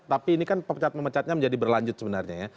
tapi ini kan pecat pemecatnya menjadi berlanjut sebenarnya ya